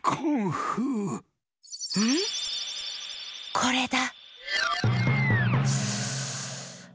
これだ！